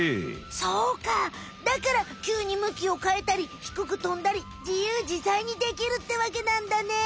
そうかだからきゅうに向きを変えたりひくくとんだりじゆうじざいにできるってわけなんだね。